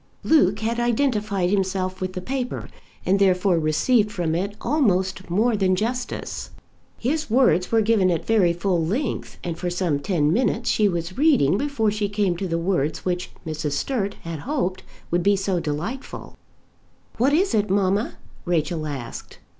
Luke had identified himself with the paper, and therefore received from it almost more than justice. His words were given at very full length, and for some ten minutes she was reading before she came to the words which Mrs. Sturt had hoped would be so delightful. "What is it, mamma?" Rachel asked.